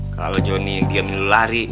kalau johnny yang diamin lo lari